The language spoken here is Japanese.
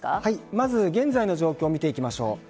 まず現在の状況を見ていきましょう。